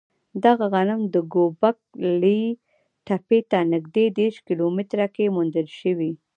دغه غنم د ګوبک لي تپې ته نږدې دېرش کیلو متره کې موندل شوی.